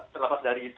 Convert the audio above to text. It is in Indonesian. terlepas dari itu